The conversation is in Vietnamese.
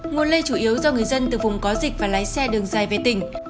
nguồn lây chủ yếu do người dân từ vùng có dịch và lái xe đường dài về tỉnh